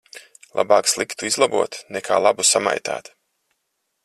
Labāk sliktu izlabot nekā labu samaitāt.